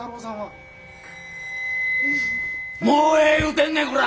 もうええ言うてんねんコラ！